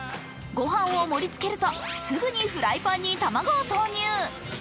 御飯を盛りつけると、すぐにフライパンに卵を投入。